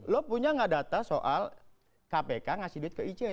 lo punya nggak data soal kpk ngasih duit ke icw